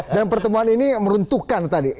dan pertemuan ini meruntuhkan tadi